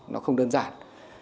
nó không đơn giản